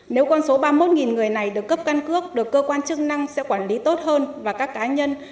nếu con số ba mươi một người này được cấp căn cước được cơ quan chức năng sẽ quản lý tốt hơn và các cá nhân